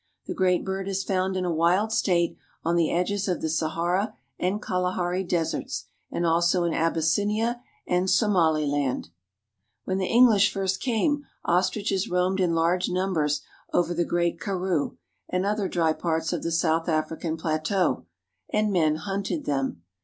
The great bird is found in a wild state on the edges of the Sahara and Kalahari Deserts, and also in Abyssinia and Somaliland (so ma'le land). When the English first came, ostriches roamed in large numbers over the great Karroo and other dry parts of the South African plateau, and men hunted them.